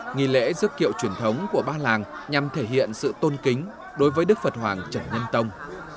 nghi lễ dước kiệu truyền thống của ba làng nhằm thể hiện sự tôn kính đối với đức phật hoàng trần nhân tông